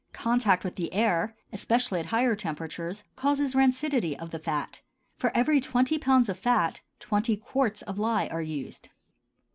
Contact with the air, especially at higher temperatures, causes rancidity of the fat. For every twenty pounds of fat twenty quarts of lye are used.